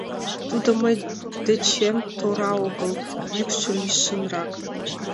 Тудо мый дечем тора огыл, йӱкшӧ лишнырак.